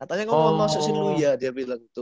katanya kamu mau masuk sinlui ya dia bilang